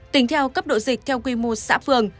tính theo cấp độ dịch theo quy mô xã phường